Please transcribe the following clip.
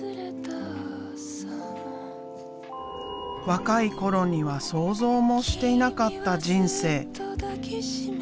若い頃には想像もしていなかった人生。